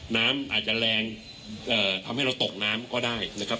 น้ำอาจจะแรงทำให้เราตกน้ำก็ได้นะครับ